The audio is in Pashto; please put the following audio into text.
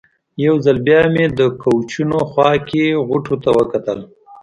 یو ځل بیا مې د کوچونو خوا کې غوټو ته وکتل.